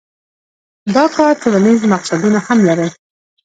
دا کار ټولنیز مقصدونه هم لرل.